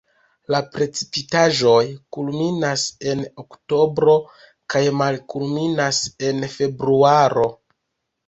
La precipitaĵoj kulminas en oktobro kaj malkulminas en februaro.